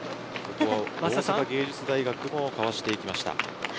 大阪芸術大学もかわしてきました。